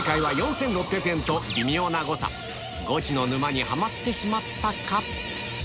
微妙な誤差ゴチの沼にハマってしまったか？